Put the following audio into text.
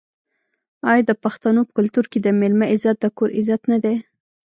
آیا د پښتنو په کلتور کې د میلمه عزت د کور عزت نه دی؟